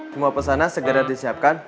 semua pesanan segera disiapkan